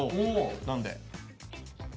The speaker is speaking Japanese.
何で？